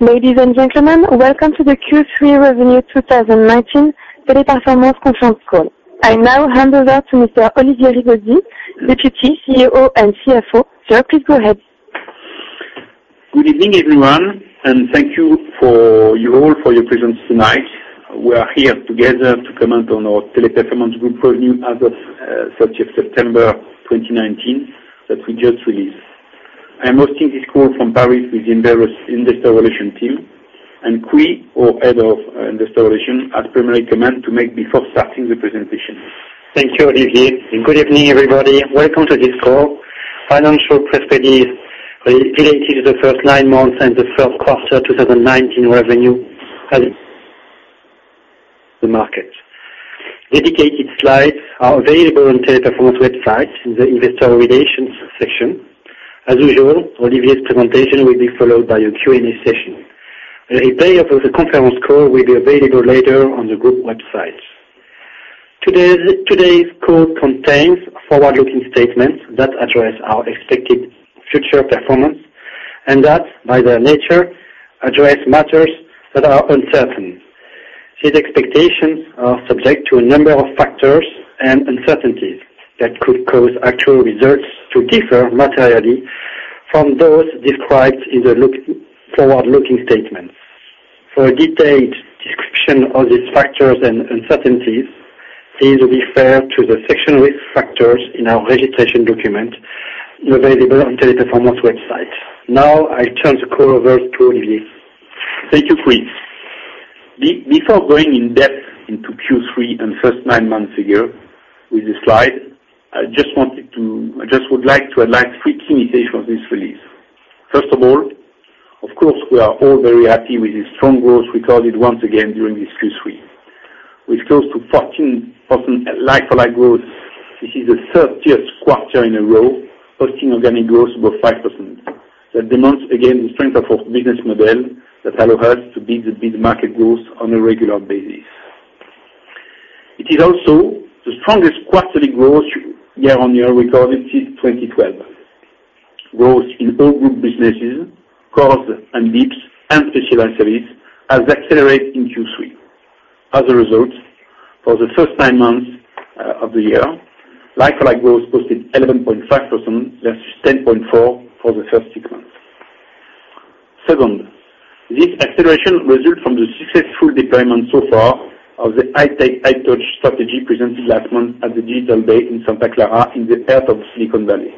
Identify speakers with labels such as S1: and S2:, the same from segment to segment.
S1: Ladies and gentlemen, welcome to the Q3 Revenue 2019 Teleperformance conference call. I now hand over to Mr. Olivier Rigaudy, the Deputy CEO and CFO. Sir, please go ahead.
S2: Good evening, everyone. Thank you all for your presence tonight. We are here together to comment on our Teleperformance Group revenue as of 30th September 2019 that we just released. I'm hosting this call from Paris with the Investor Relations team and Quy, our Head of Investor Relations, has primary comments to make before starting the presentation.
S3: Thank you, Olivier. Good evening, everybody. Welcome to this call. Financial perspectives related to the first nine months and the third quarter 2019 revenue had the market. Dedicated slides are available on Teleperformance website in the investor relations section. As usual, Olivier's presentation will be followed by a Q&A session. A replay of the conference call will be available later on the group website. Today's call contains forward-looking statements that address our expected future performance and that, by their nature, address matters that are uncertain. These expectations are subject to a number of factors and uncertainties that could cause actual results to differ materially from those described in the forward-looking statements. For a detailed description of these factors and uncertainties, please refer to the section risk factors in our registration document available on Teleperformance website. Now, I turn the call over to Olivier.
S2: Thank you, Quy. Before going in depth into Q3 and first nine months figure with the slide, I just would like to highlight three key messages of this release. First of all, of course, we are all very happy with the strong growth recorded once again during this Q3. With close to 14% like-for-like growth, this is the 13th quarter in a row posting organic growth above 5%. That demands, again, the strength of our business model that allow us to beat the market growth on a regular basis. It is also the strongest quarterly growth year-on-year recorded since 2012. Growth in all group businesses, Core Services and D.I.B.S. and Specialized Services has accelerated in Q3. As a result, for the first nine months of the year, like-for-like growth posted 11.5% versus 10.4% for the first six months. Second, this acceleration result from the successful deployment so far of the high-tech, high-touch strategy presented last month at the Digital Day in Santa Clara in the heart of Silicon Valley.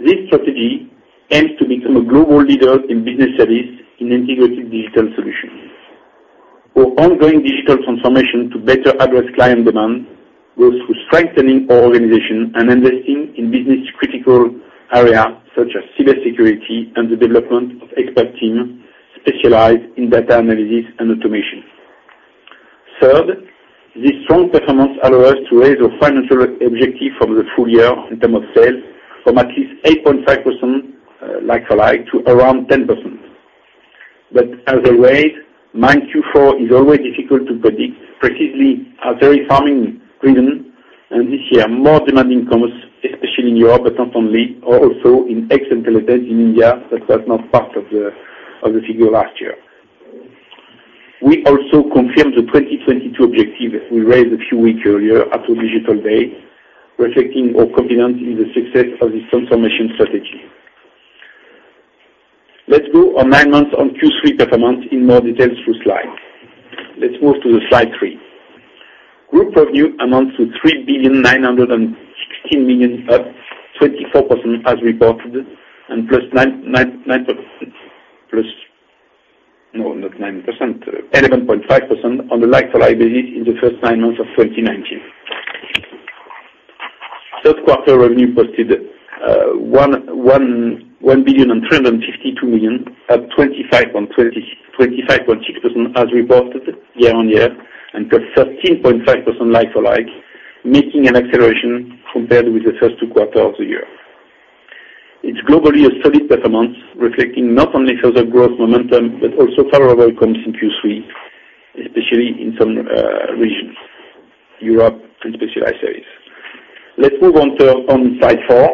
S2: This strategy aims to become a global leader in business services in integrated digital solutions. Our ongoing digital transformation to better address client demand goes through strengthening our organization and investing in business-critical areas such as cybersecurity and the development of expert teams specialized in data analysis and automation. Third, this strong performance allow us to raise our financial objective from the full year in terms of sales from at least 8.5% like-for-like to around 10%. As always, mind Q4 is always difficult to predict precisely as very firming driven, and this year, more demanding commerce, especially in Europe, but not only, also in ex-Intelenet and Teleperformance India, that was not part of the figure last year. We also confirmed the 2022 objective we raised a few weeks earlier at the Digital Day, reflecting our confidence in the success of this transformation strategy. Let's go on nine months on Q3 performance in more details through slides. Let's move to the slide three. Group revenue amounts to 3 billion 916 million, up 24% as reported, and plus 9%. No, not 9%, 11.5% on a like-for-like basis in the first nine months of 2019. Third quarter revenue posted 1 billion 352 million, up 25.6% as reported year-on-year, and plus 13.5% like-for-like, making an acceleration compared with the first two quarters of the year. It's globally a solid performance, reflecting not only further growth momentum, but also favorable comps in Q3, especially in some regions, Europe and Specialized Services. Let's move on to slide four.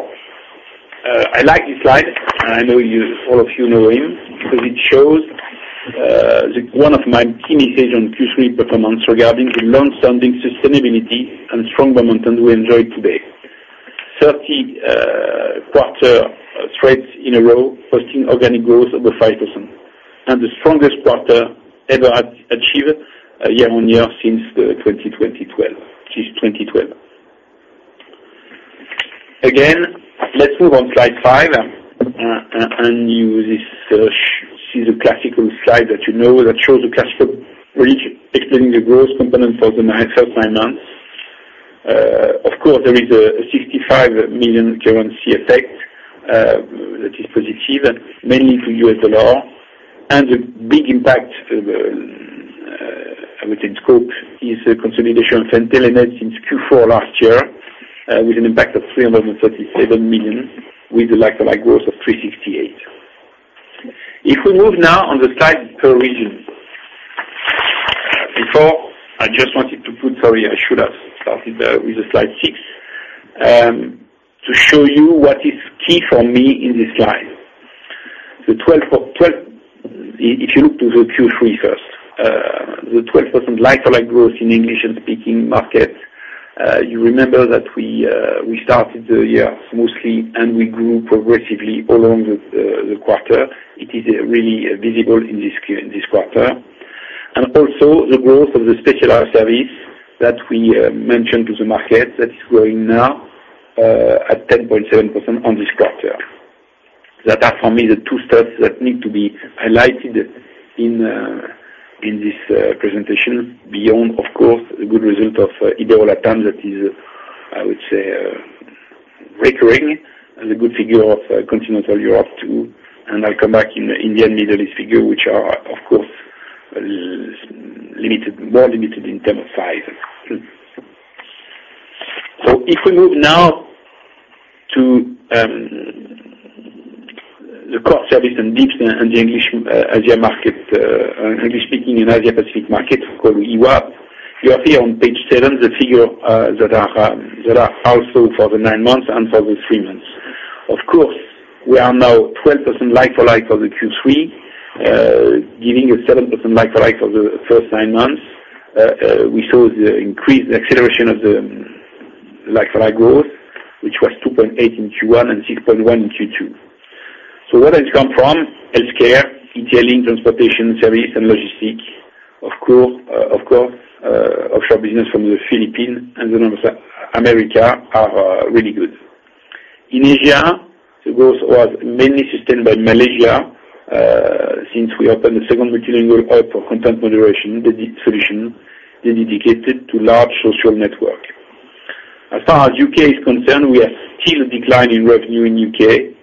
S2: I like this slide, and I know all of you know him, because it shows one of my key messages on Q3 performance regarding the long-standing sustainability and strong momentum we enjoy today. 30 quarter straight in a row, posting organic growth above 5%, and the strongest quarter ever achieved year-on-year since 2012. Again, let's move on slide five, and you see the classical slide that you know that shows the cash flow bridge, explaining the growth component for the nine months. Of course, there is a $65 million currency effect that is positive, mainly for US dollar. A big impact within scope is a consolidation of Intelenet since Q4 last year, with an impact of 337 million, with a like-for-like growth of 368%. If we move now on the slide per region. Before, I just wanted, sorry, I should have started with the slide six, to show you what is key for me in this slide. If you look to the Q3 first. The 12% like-for-like growth in English speaking markets. You remember that we started the year mostly, we grew progressively along the quarter. It is really visible in this quarter. Also the growth of the Specialized Services that we mentioned to the market that is growing now at 10.7% on this quarter. That are for me, the two stats that need to be highlighted in this presentation, beyond, of course, the good result of Ibero-LATAM, that is, I would say recurring, and the good figure of continental Europe too. I'll come back in the Indian, Middle East figure, which are, of course, more limited in term of size. If we move now to the Core Services & D.I.B.S. and the English Asia market, English speaking and Asia Pacific market, we call it EWAP. You have here on page seven the figure that are also for the nine months and for the three months. Of course, we are now 12% like-for-like for the Q3, giving a 7% like-for-like for the first nine months. We saw the increased acceleration of the like-for-like growth, which was 2.8 in Q1 and 6.1 in Q2. Where does it come from? Healthcare, retailing, transportation, service, and logistics. Of course, offshore business from the Philippines and Latin America are really good. In Asia, the growth was mainly sustained by Malaysia. Since we opened the second multilingual hub for content moderation, the solution is dedicated to large social networks. As far as U.K. is concerned, we are still declining revenue in U.K.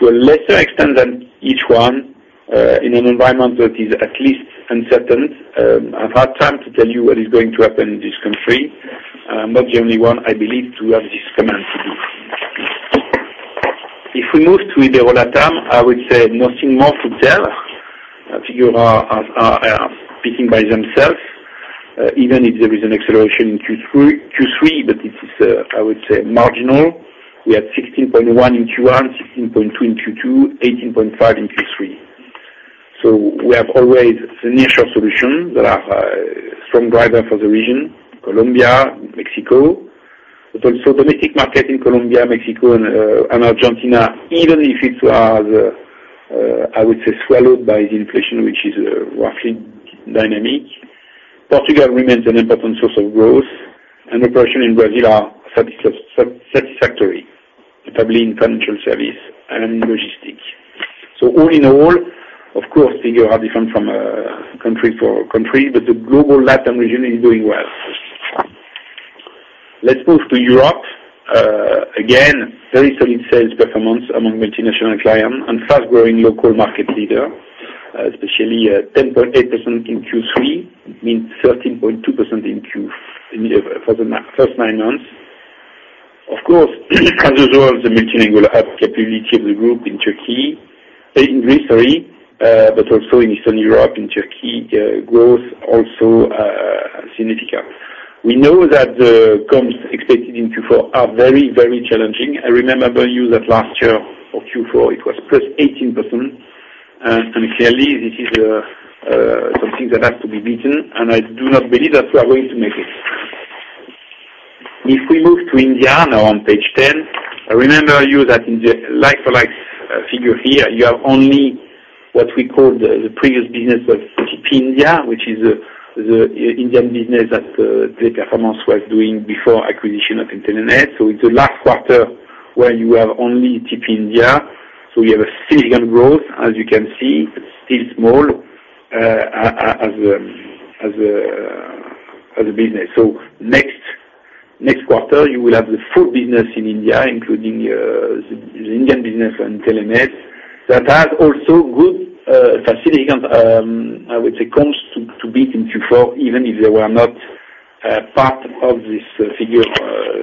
S2: to a lesser extent than each one, in an environment that is at least uncertain. I've hard time to tell you what is going to happen in this country. I'm not the only one, I believe, to have this comment to make. We move to Ibero-LATAM, I would say nothing more to tell. Figures are speaking by themselves, even if there is an acceleration in Q3, it is, I would say marginal. We are 16.1% in Q1, 16.2% in Q2, 18.5% in Q3. We have always the initial solutions that are strong driver for the region, Colombia, Mexico, but also domestic market in Colombia, Mexico and Argentina, even if it was, I would say, swallowed by the inflation, which is roughly dynamic. Portugal remains an important source of growth, and operation in Brazil are satisfactory, probably in financial service and logistics. All in all, of course, figure are different from country for country, but the global Latin region is doing well. Let's move to Europe. Again, very solid sales performance among multinational clients and fast-growing local market leader, especially 10.8% in Q3, means 13.2% for the first nine months. Of course, as a result, the multilingual hub capability of the group in Turkey, in Greece, sorry, but also in Eastern Europe, in Turkey, growth also significant. We know that the comps expected in Q4 are very challenging. I remember you that last year for Q4, it was +18%, and clearly this is something that has to be beaten, and I do not believe that we are going to make it. If we move to India now on page 10, I remember you that in the like-for-like figure here, you have only what we call the previous business of TP India, which is the Indian business that Teleperformance was doing before acquisition of Intelenet. It's the last quarter where you have only TP India. We have a significant growth, as you can see. It's still small as a business. Next quarter, you will have the full business in India, including the Indian business and Intelenet. That has also good significant, I would say, comps to beat in Q4, even if they were not part of this figure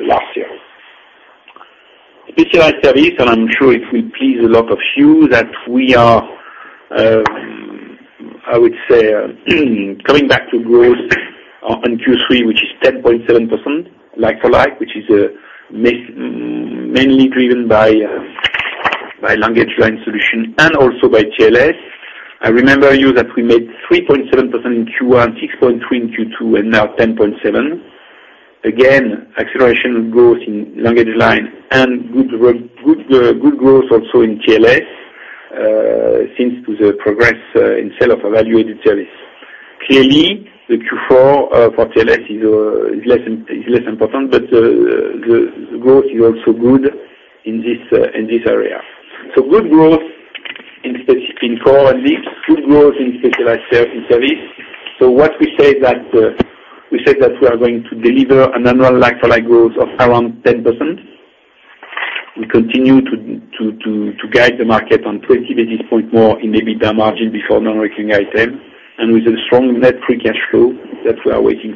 S2: last year. Specialized Services. I'm sure it will please a lot of you that we are, I would say, coming back to growth on Q3, which is 10.7% like-for-like, which is mainly driven by LanguageLine Solutions and also by TLS. I remember you that we made 3.7% in Q1, 6.3% in Q2, and now 10.7%. Acceleration growth in LanguageLine and good growth also in TLS, thanks to the progress in sale of value-added service. The Q4 for TLS is less important, but the growth is also good in this area. Good growth in Core and BPS, good growth in Specialized Services. What we say that we are going to deliver an annual like-for-like growth of around 10%. We continue to guide the market on 20 basis points more in the EBITDA margin before non-recurring item, and with a strong net free cash flow that we are maintaining.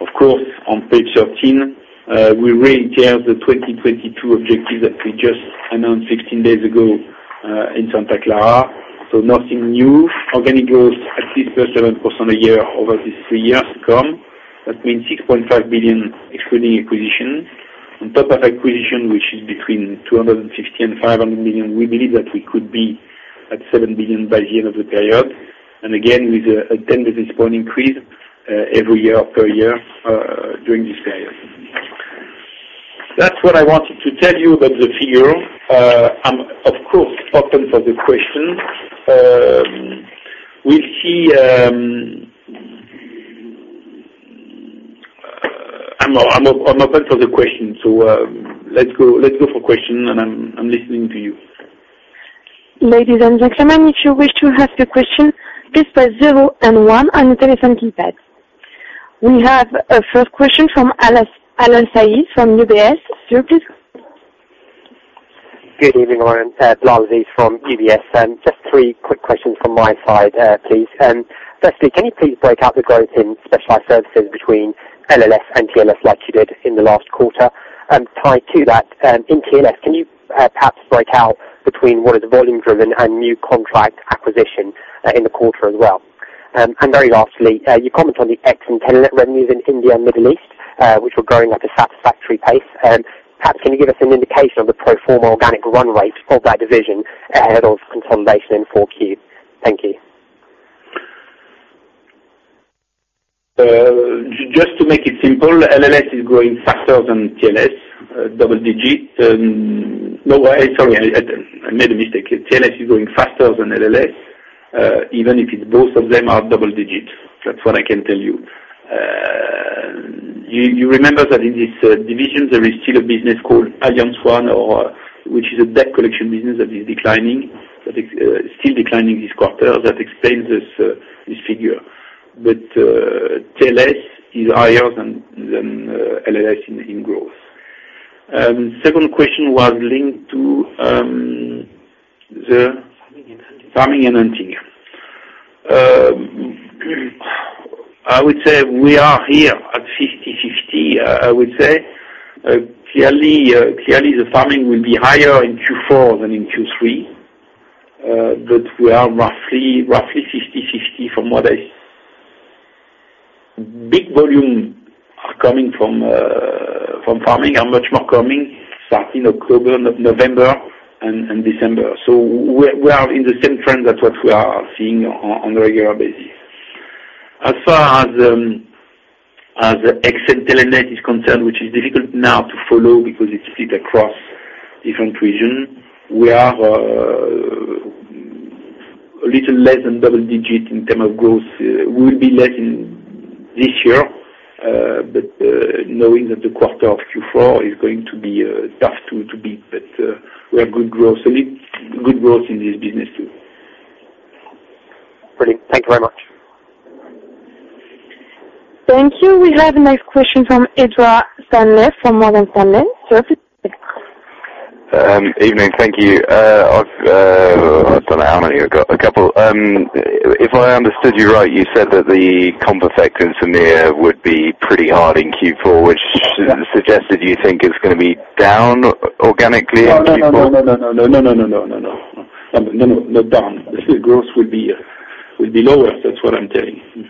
S2: Of course, on page 13, we reiterate the 2022 objective that we just announced 16 days ago in Santa Clara. Nothing new. Organic growth at least plus 7% a year over these three years to come. That means 6.5 billion excluding acquisitions. On top of acquisition, which is between 260 million and 500 million, we believe that we could be at 7 billion by the end of the period. Again, with a 10 basis points increase every year per year during this period. That's what I wanted to tell you about the figures. I'm, of course, open for the questions. I'm open for the questions. Let's go for question and I'm listening to you.
S1: Ladies and gentlemen, if you wish to ask a question, please press zero and one on your telephone keypad. We have a first question from Alan Saye from UBS. Sir, please go on.
S4: Good evening, [Laurent]. Alan Saye from UBS. Just three quick questions from my side, please. Firstly, can you please break out the growth in Specialized Services between LLS and TLS like you did in the last quarter? Tied to that, in TLS, can you perhaps break out between what is volume-driven and new contract acquisition, in the quarter as well? Very lastly, you comment on the ex-Intelenet revenues in India and Middle East, which were growing at a satisfactory pace. Perhaps can you give us an indication of the pro forma organic run rate for that division ahead of consolidation in 4Q? Thank you.
S2: Just to make it simple, LLS is growing faster than TLS, double-digit. No. Sorry, I made a mistake. TLS is growing faster than LLS. Even if both of them are double-digits. That's what I can tell you. You remember that in this division, there is still a business called AllianceOne, which is a debt collection business that is declining, still declining this quarter. That explains this figure. TLS is higher than LLS in growth. Second question was linked to Farming and hunting. Farming and hunting. I would say we are here at 50/50, I would say. Clearly, the farming will be higher in Q4 than in Q3. We are roughly 50/50. Big volumes are coming from farming, are much more coming starting October, November, and December. We are in the same trend that what we are seeing on a regular basis. As far as ex-Intelenet is concerned, which is difficult now to follow because it's split across different regions. We are a little less than double-digit in terms of growth. We will be less this year. Knowing that the quarter of Q4 is going to be tough to beat, but we have good growth. Good growth in this business, too.
S4: Brilliant. Thank you very much.
S1: Thank you. We have the next question from Ezra Sandler from Morgan Stanley. Sir, please go on.
S5: Evening. Thank you. I don't know how many I've got, a couple. If I understood you right, you said that the comp effect in Somnia would be pretty hard in Q4, which suggested you think it's going to be down organically in Q4?
S2: No, not down. The growth will be lower. That's what I'm telling you.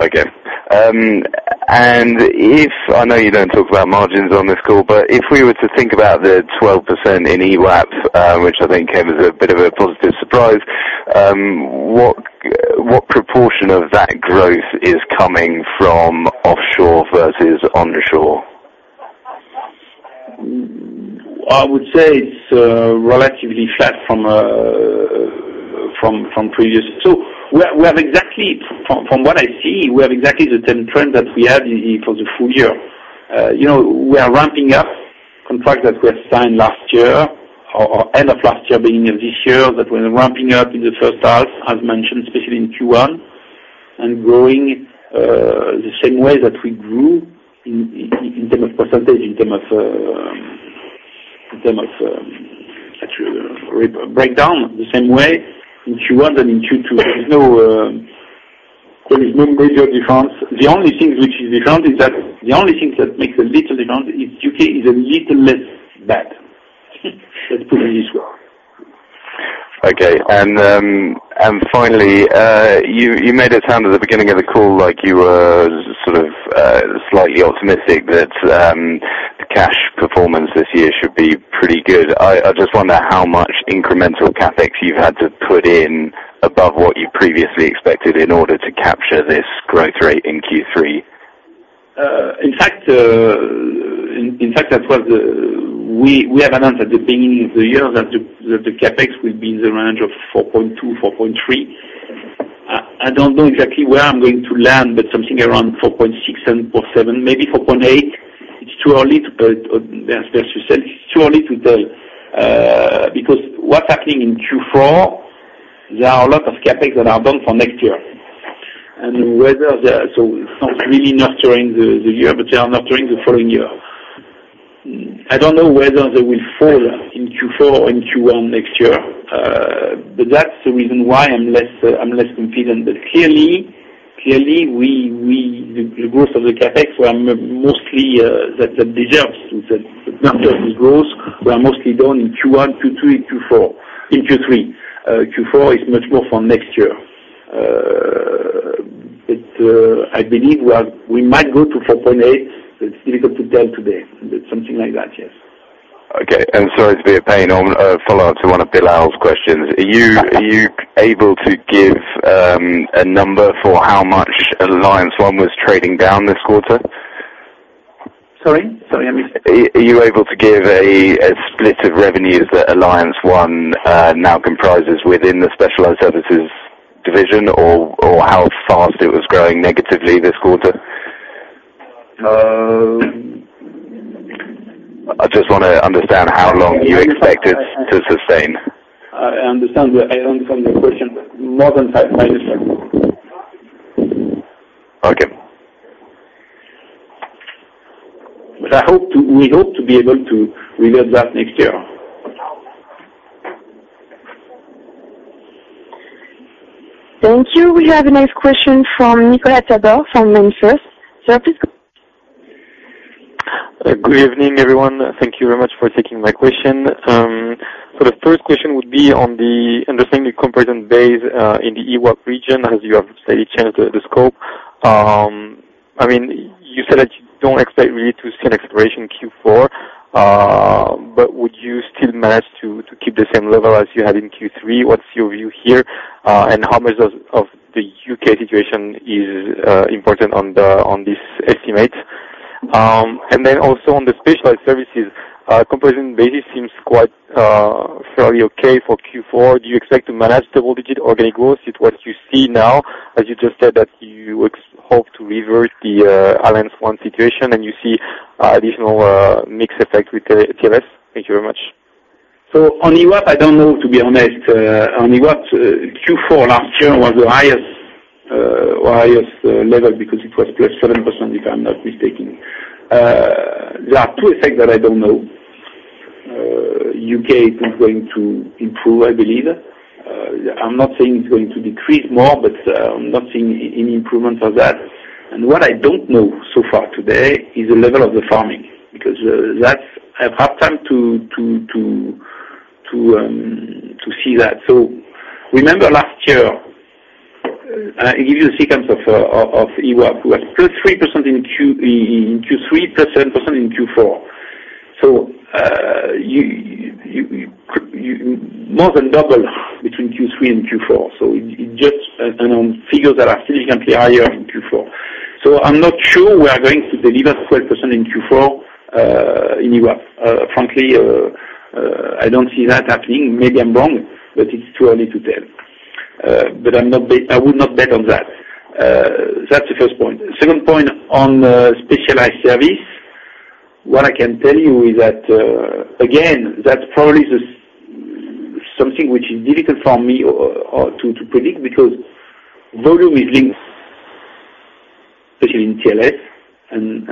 S5: Okay. I know you don't talk about margins on this call, but if we were to think about the 12% in EWAP, which I think came as a bit of a positive surprise, what proportion of that growth is coming from offshore versus onshore?
S2: I would say it's relatively flat from previous. From what I see, we have exactly the same trend that we had for the full year. We are ramping up contracts that were signed last year or end of last year, beginning of this year, that we're ramping up in the first half, as mentioned, especially in Q1, and growing the same way that we grew in terms of percentage, in terms of breakdown, the same way in Q1 than in Q2. There is no major difference. The only thing that makes a little difference is U.K. is a little less bad, let's put it this way.
S5: Okay. Finally, you made it sound at the beginning of the call like you were sort of slightly optimistic that cash performance this year should be pretty good. I just wonder how much incremental CapEx you've had to put in above what you previously expected in order to capture this growth rate in Q3.
S2: In fact, we have announced at the beginning of the year that the CapEx will be in the range of 4.2, 4.3. I don't know exactly where I'm going to land, something around 4.6 and 4.7, maybe 4.8. As Pierre just said, it's too early to tell, because what's happening in Q4, there are a lot of CapEx that are done for next year. It's not really not during the year, but they are not during the following year. I don't know whether they will fall in Q4 or in Q1 next year. That's the reason why I'm less confident. Clearly, the growth of the CapEx, that deserves it, the nature of this growth were mostly done in Q1, Q2, and Q4. In Q3. Q4 is much more for next year. I believe we might go to 4.8, but it's difficult to tell today. Something like that, yes.
S5: Okay. Sorry to be a pain. A follow-up to one of [Bilal's] questions. Are you able to give a number for how much AllianceOne was trading down this quarter?
S2: Sorry, I missed.
S5: Are you able to give a split of revenues that AllianceOne now comprises within the Specialized Services division, or how fast it was growing negatively this quarter? I just want to understand how long you expect it to sustain.
S2: I understand your question, but more than
S5: Okay.
S2: We hope to be able to revert that next year.
S1: Thank you. We have the next question from Nicolas Tabard from Kempen. Sir, please go.
S6: Good evening, everyone. Thank you very much for taking my question. The first question would be on the understanding comparison base in the EWAP region, as you have stated, changed the scope. You said that you don't expect really to see an acceleration in Q4, but would you still manage to keep the same level as you had in Q3? What's your view here? How much of the U.K. situation is important on this estimate? On the Specialized Services, comparison basis seems fairly okay for Q4. Do you expect to manage double-digit organic growth with what you see now, as you just said, that you hope to reverse the AllianceOne situation and you see additional mix effect with TLS? Thank you very much.
S2: On EWAP, I don't know, to be honest. On EWAP, Q4 last year was the highest level because it was +7%, if I'm not mistaken. There are two effects that I don't know. U.K. is not going to improve, I believe. I'm not saying it's going to decrease more, but I'm not seeing any improvement of that. What I don't know so far today is the level of the farming, because I've had time to see that. Remember last year, I give you a sequence of EWAP. We were at +3% in Q3, +7% in Q4. More than double between Q3 and Q4. It just figures that are significantly higher in Q4. I'm not sure we are going to deliver 12% in Q4 in EWAP. Frankly, I don't see that happening. Maybe I'm wrong, but it's too early to tell. I would not bet on that. That's the first point. Second point on Specialized Services, what I can tell you is that, again, that probably is something which is difficult for me to predict, because volume is linked, especially in TLScontact, and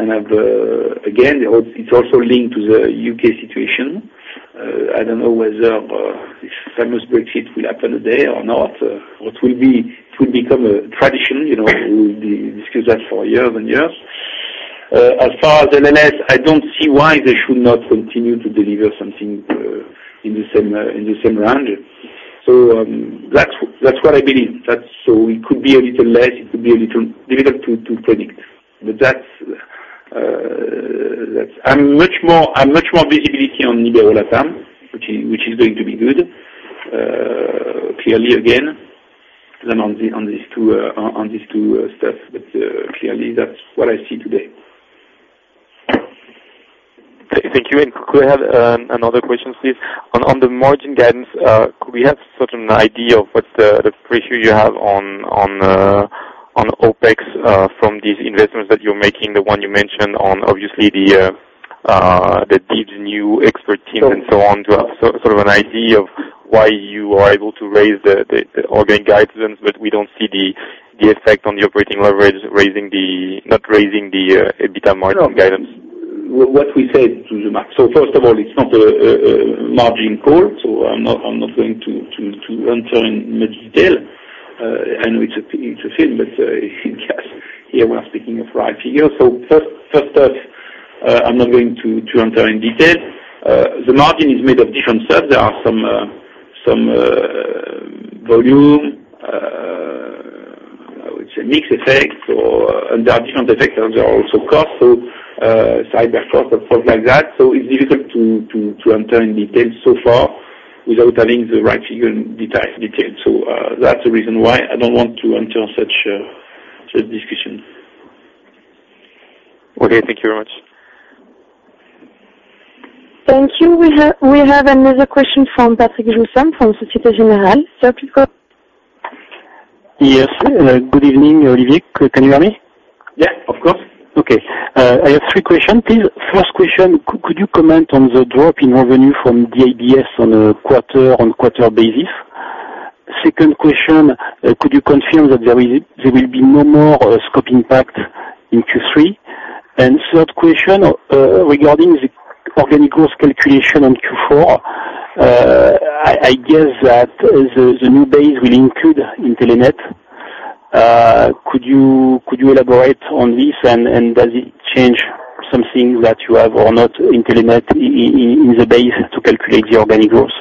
S2: again, it's also linked to the U.K. situation. I don't know whether this famous Brexit will happen today or not. What will become a tradition, we discuss that for years and years. As far as LLS, I don't see why they should not continue to deliver something in the same range. That's what I believe. It could be a little less, it could be a little difficult to predict. I've much more visibility on Iberia or LATAM, which is going to be good. Clearly, again, because I'm on these two stuff, but clearly, that's what I see today.
S6: Thank you. Could I have another question, please? On the margin guidance, could we have sort of an idea of what the pressure you have on OpEx from these investments that you're making, the one you mentioned on obviously the deep new expert team and so on, to have sort of an idea of why you are able to raise the organic guidance, we don't see the effect on the operating leverage not raising the EBITDA margin guidance.
S2: What we said to the max. First of all, it's not a margin call, so I'm not going to enter in much detail. I know it's a field, but I guess here we are speaking of right figure. First off, I'm not going to enter in detail. The margin is made of different sets. There are some volume, I would say mix effect, and there are different effects, and there are also costs, so cyber costs, and costs like that. It's difficult to enter in detail so far without having the right figure in detail. That's the reason why I don't want to enter such a discussion.
S6: Okay. Thank you very much.
S1: Thank you. We have another question from Patrick Joussen from Societe Generale. Sir, please go.
S7: Yes. Good evening, Olivier. Can you hear me?
S2: Yeah, of course.
S7: Okay. I have three questions, please. First question, could you comment on the drop in revenue from the ABS on a quarter-on-quarter basis?
S3: Second question, could you confirm that there will be no more scope impact in Q3? Third question, regarding the organic growth calculation in Q4, I guess that the new base will include Intelenet. Could you elaborate on this, and does it change something that you have or not Intelenet in the base to calculate the organic growth?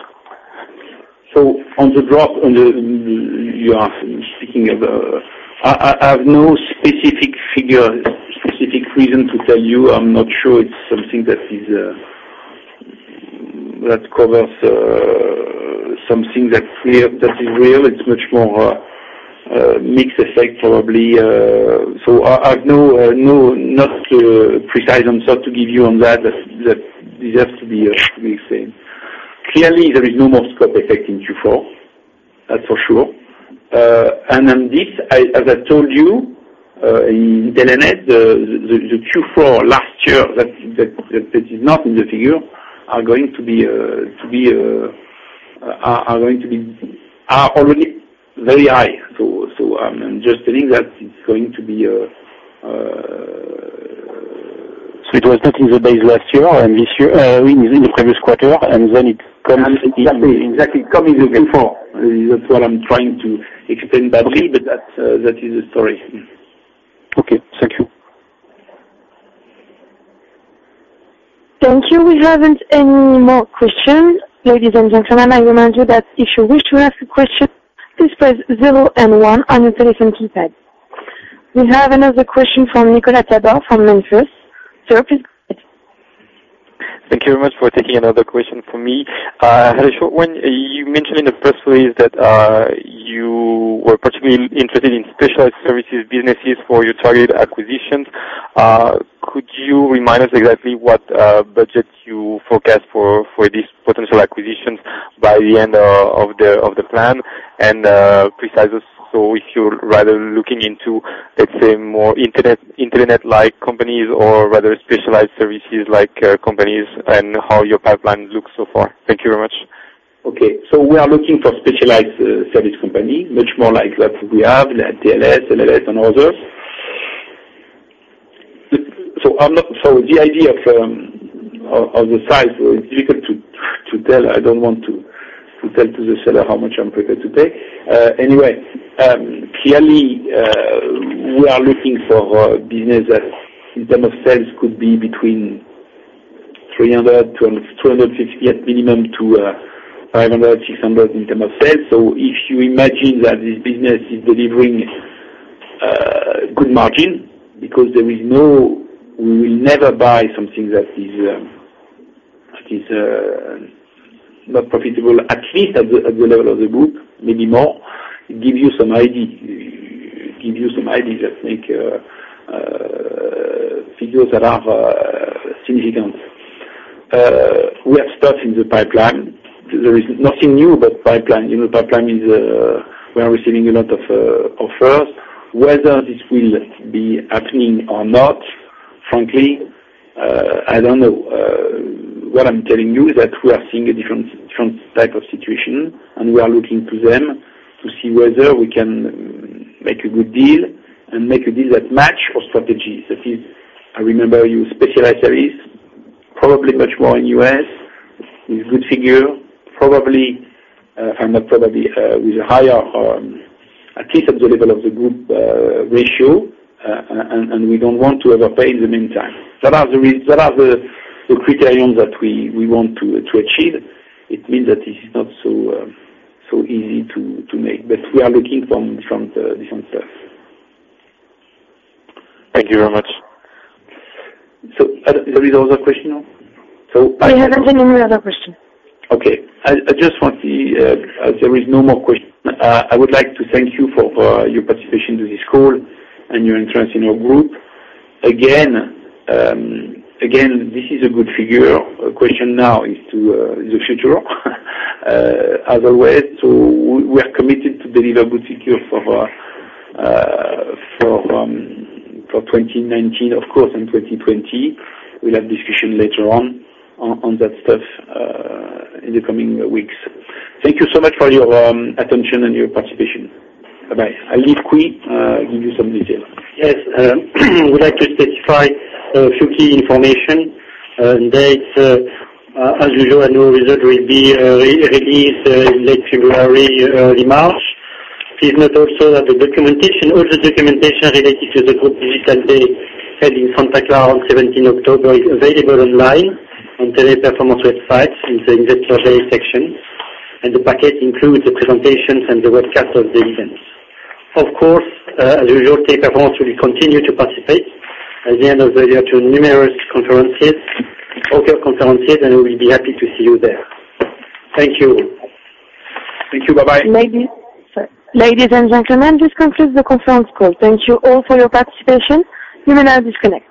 S2: On the drop you are speaking of, I have no specific figure, specific reason to tell you. I'm not sure it's something that covers something that is real. It's much more a mixed effect, probably. I have nothing precise to give you on that. That deserves to be the same. Clearly, there is no more scope effect in Q4, that's for sure. On this, as I told you, Intelenet, the Q4 last year, that is not in the figure, are already very high. I'm just telling that it's going to be.
S7: It was not in the base last year and in the previous quarter.
S2: Exactly. Comes in Q4. That's what I'm trying to explain badly. That is the story.
S7: Okay. Thank you.
S1: Thank you. We haven't any more questions. Ladies and gentlemen, I remind you that if you wish to ask a question, please press zero and one on your telephone keypad. We have another question from Nicolas Tabard from Kempen. Sir, please go ahead.
S6: Thank you very much for taking another question from me. I had a short one. You mentioned in the 1st place that you were particularly interested in Specialized Services, businesses for your target acquisitions. Could you remind us exactly what budget you forecast for these potential acquisitions by the end of the plan? Precise so if you're rather looking into, let's say, more Intelenet-like companies or rather Specialized Services-like companies, and how your pipeline looks so far. Thank you very much.
S2: Okay. We are looking for Specialized Services company, much more like what we have, TLS, LLS, and others. The idea of the size, it's difficult to tell. I don't want to tell to the seller how much I'm prepared to pay. Anyway, clearly, we are looking for business that in term of sales could be between 300 to 268 minimum to 500, 600 in term of sales. If you imagine that this business is delivering good margin, because we will never buy something that is not profitable, at least at the level of the group, maybe more. It gives you some idea that make figures that are significant. We have stuff in the pipeline. There is nothing new about pipeline. Pipeline is, we are receiving a lot of offers. Whether this will be happening or not, frankly, I don't know. What I'm telling you is that we are seeing a different type of situation, and we are looking to them to see whether we can make a good deal and make a deal that match our strategy. That is, I remember you Specialized Services, probably much more in U.S., with good figure, probably, with a higher, at least at the level of the group, ratio. We don't want to overpay in the meantime. That are the criteria that we want to achieve. It means that it is not so easy to make, but we are looking from different stuff.
S6: Thank you very much.
S2: There is other question?
S1: We haven't any other question.
S2: Okay. As there is no more question. I would like to thank you for your participation to this call and your interest in our group. This is a good figure. Question now is to the future. We are committed to deliver good figures for 2019, of course, and 2020. We'll have discussion later on that stuff, in the coming weeks. Thank you so much for your attention and your participation. Bye-bye. I leave Quy give you some details.
S3: Yes, we'd like to specify a few key information and dates. As usual, our new result will be released late February, early March. Please note also that the documentation, all the documentation related to the group Digital Day held in Santa Clara on 17 October, is available online on Teleperformance website in the Investor Day section, and the packet includes the presentations and the webcast of the events. Of course, as usual, Teleperformance will continue to participate at the end of the year to numerous conferences, October conferences, and we'll be happy to see you there. Thank you.
S2: Thank you. Bye-bye.
S1: Ladies and gentlemen, this concludes the conference call. Thank you all for your participation. You may now disconnect.